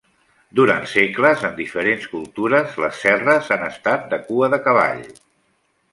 Durant segles, en diferents cultures les cerres han estat de cua de cavall.